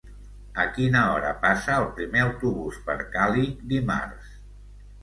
A quina hora passa el primer autobús per Càlig dimarts?